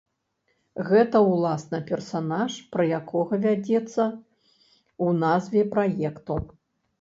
Гэта ўласна персанаж, пра якога вядзецца ў назве праекту.